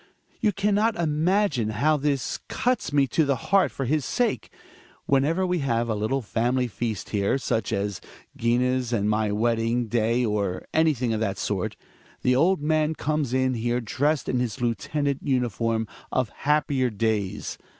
You can not imagine how this cuts me to the heart for his sake. Whenever we have a little family feast here — such as Gina's and my wedding day, or anything of that sort — the old man comes in here dressed in his lieutenant uniform of happier days.